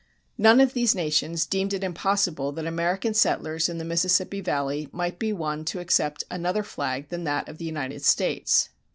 None of these nations deemed it impossible that American settlers in the Mississippi Valley might be won to accept another flag than that of the United States.